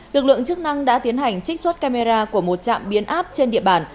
lực lượng chức năng đã tiến hành trích xuất camera của một trạm biến áp trên địa bàn